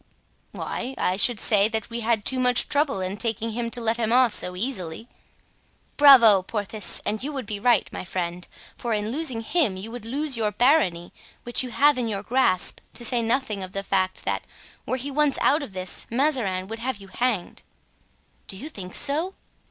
"Why, I should say that we had too much trouble in taking him to let him off so easily." "Bravo, Porthos! and you would be right, my friend; for in losing him you would lose your barony, which you have in your grasp, to say nothing of the fact that, were he once out of this, Mazarin would have you hanged." "Do you think so?"